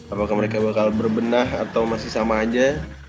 apakah mereka bakal berbenah atau masih sama aja